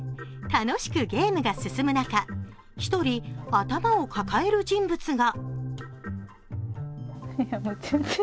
楽しくゲームが進む中１人、頭を抱える人物が。